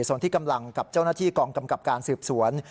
ส่วนที่กำลังกับเจ้าหน้าที่กองกำกับการสืบสวน